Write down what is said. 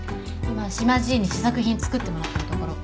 今島ジイに試作品作ってもらってるところ。